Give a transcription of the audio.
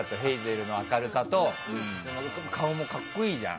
この明るさと顔も格好いいじゃん。